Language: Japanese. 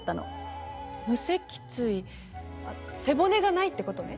無脊椎背骨がないってことね。